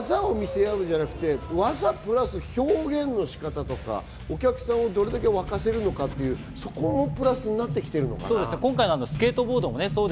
技を見せ合うじゃなくて、技プラス表現の仕方とか、お客さんをどれだけ沸かせるのかっていう、そこもプラスになってきてるのかな？